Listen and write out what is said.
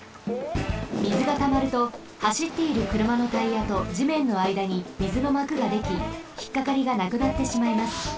みずがたまるとはしっているくるまのタイヤとじめんのあいだにみずのまくができひっかかりがなくなってしまいます。